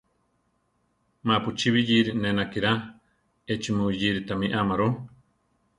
Mapu chibiyíri ne nakirá, echí mu yiri tamí ama ru.